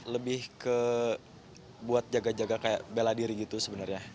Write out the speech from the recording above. lebih ke buat jaga jaga kayak bela diri gitu sebenarnya